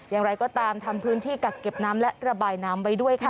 อย่างไรก็ตามทำพื้นที่กักเก็บน้ำและระบายน้ำไว้ด้วยค่ะ